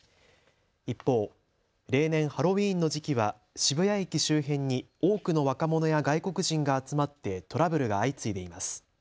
一方、例年、ハロウィーンの時期は渋谷駅周辺に多くの若者や外国人が集まってトラブルが相次いでいます。